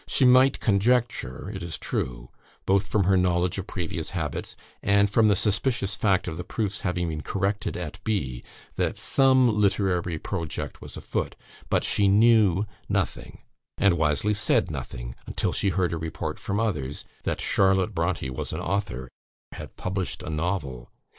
She might conjecture, it is true, both from her knowledge of previous habits, and from the suspicious fact of the proofs having been corrected at B , that some literary project was afoot; but she knew nothing, and wisely said nothing, until she heard a report from others, that Charlotte Brontë was an author had published a novel!